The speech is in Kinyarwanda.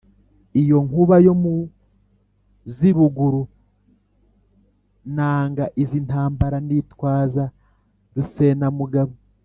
iyo nkuba yo mu z’i Ruguru nanga izi ntambara nitwaza Rusenamugabo